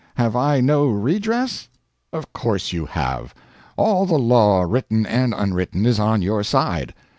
Have I no redress?" Of course you have. All the law, written and unwritten, is on your side.